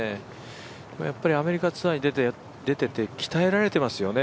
アメリカツアーに出ていて鍛えられていますよね。